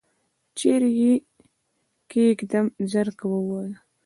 چیري یې کښېږدم ؟ ژر کوه ووایه !